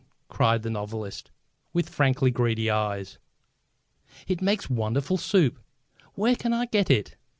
cried the novelist, with frankly greedy eyes. "It makes wonderful soup! Where can I get it?"